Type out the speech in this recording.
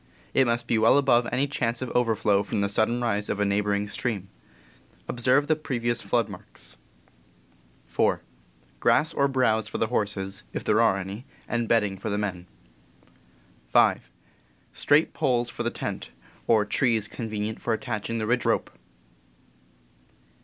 It must be well above any chance of overflow from the sudden rise of a neighbor ing stream. Observe the previous flood marks. 70 THE CAMP 71 4. Grass or browse for the horses (if there are any) and bedding for the men. 5. Straight poles for the tent, or trees convenient for attaching the ridge rope.